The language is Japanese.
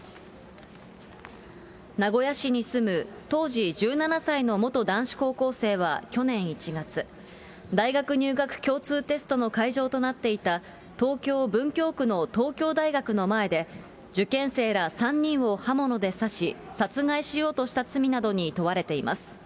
名古屋市に住む当時１７歳の元男子高校生は去年１月、大学入学共通テストの会場となっていた東京・文京区の東京大学の前で、受験生ら３人を刃物で刺し、殺害しようとした罪などに問われています。